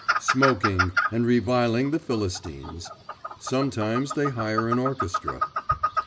smoking, and reviling the Philistines. Sometimes they hire an orchestra.